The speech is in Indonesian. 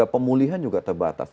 pemulihan juga terbatas